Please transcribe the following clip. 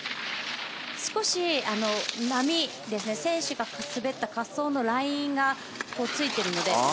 少し選手が滑った滑走のラインがついているので。